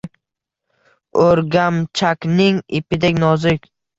Oʼrgamchakning ipidek nozik